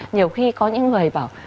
nhiều khi có những người bảo